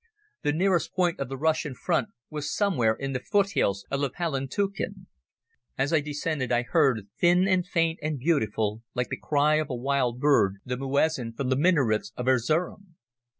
The nearest point of the Russian front was somewhere in the foothills of the Palantuken. As I descended I heard, thin and faint and beautiful, like the cry of a wild bird, the muezzin from the minarets of Erzerum.